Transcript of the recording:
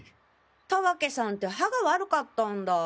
田分さんて歯が悪かったんだ。